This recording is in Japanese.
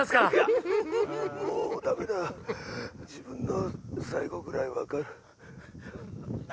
自分の最期ぐらい分かる。